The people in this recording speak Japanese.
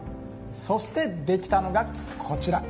そしてできたのがこちら。